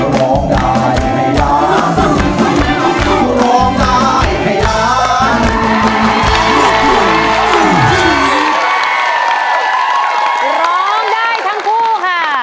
ร้องได้ทั้งคู่ค่ะ